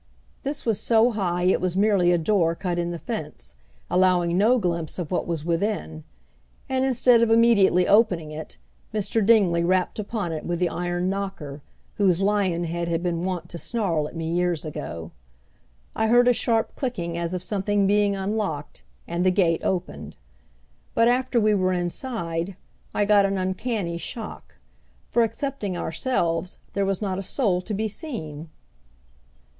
This was so high it was merely a door cut in the fence, allowing no glimpse of what was within, and instead of immediately opening it, Mr. Dingley rapped upon it with the iron knocker, whose lion head had been wont to snarl at me years ago. I heard a sharp clicking as of something being unlocked, and the gate opened. But after we were inside I got an uncanny shock, for excepting ourselves there was not a soul to be seen.